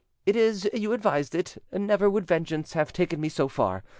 It is you advised it; never would vengeance have taken me so far.